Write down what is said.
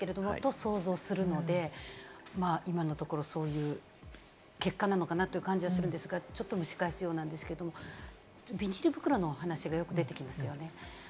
想像するので、今のところそういう結果なのかなという感じはするんですが、ちょっと蒸し返すようですが、ビニール袋の話がよく出てきますよね？